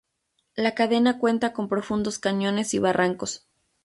La cadena cuenta con profundos cañones y barrancos..